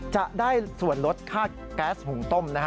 จะได้ส่วนลดค่าก๊าซหุ่งต้ม